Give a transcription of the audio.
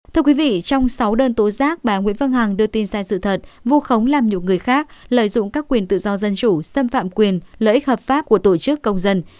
thưa quý vị trong sáu đơn tố giác bà nguyễn phương hằng đưa tin sai sự thật vu khống làm nhục người khác lợi dụng các quyền tự do dân chủ xâm phạm quyền lợi ích hợp pháp của tổ chức công dân